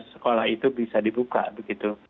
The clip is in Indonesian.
sekolah itu bisa dibuka begitu